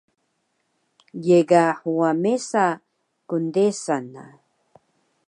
Ye ga huwa mesa kndesan na